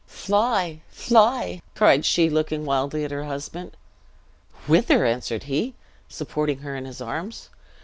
"Fly, fly!" cried she, looking wildly at her husband. "Whither?" answered he, supporting her in his arms.